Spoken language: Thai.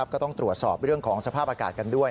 ก็ต้องตรวจสอบเรื่องของสภาพอากาศกันด้วย